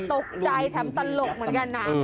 โต๊ะใจทำตลกเหมือนกันนะ